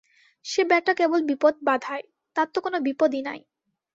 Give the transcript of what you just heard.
সে বেটা কেবল বিপদ বাধায়, তার তো কোনো বিপদই নাই।